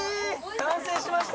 完成しました！